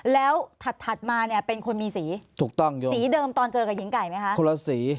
แล้วถัดถัดมาเนี่ยเป็นคนมีสีถูกต้องอยู่สีเดิมตอนเจอกับหญิงไก่ไหมคะคนละสี